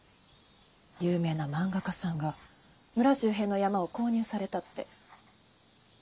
有名な漫画家さんが村周辺の山を購入されたって。